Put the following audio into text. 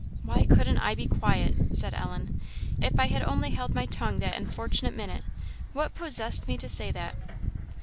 "Why couldn't I be quiet?" said Ellen. "If I had only held my tongue that unfortunate minute! what possessed me to say that?"